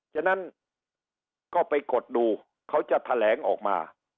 ฉะนั้นก็ไปกดดูเขาจะแถลงออกมา